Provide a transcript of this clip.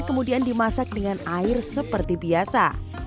kemudian dimasak dengan air seperti biasa